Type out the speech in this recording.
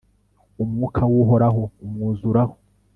umwuka w'uhoraho umwuzuraho